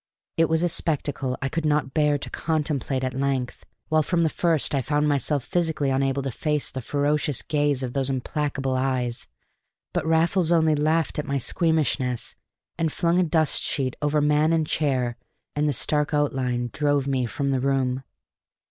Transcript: It was a spectacle I could not bear to contemplate at length, while from the first I found myself physically unable to face the ferocious gaze of those implacable eyes. But Raffles only laughed at my squeamishness, and flung a dust sheet over man and chair; and the stark outline drove me from the room.